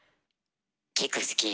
結構好き。